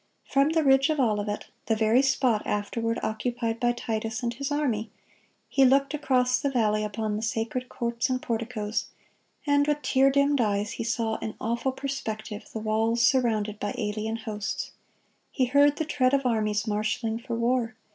From the ridge of Olivet, the very spot afterward occupied by Titus and his army, He looked across the valley upon the sacred courts and porticoes, and with tear dimmed eyes He saw, in awful perspective, the walls surrounded by alien hosts. He heard the tread of armies marshaling for war.